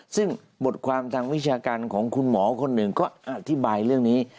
ซึ่งบทความทางวิชาการของคุณหมอคนหนึ่งก็อธิบายเรื่องนี้